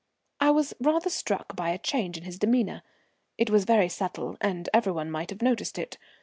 I was rather struck by a change in his demeanour. It was very subtle, and everyone might have noticed it.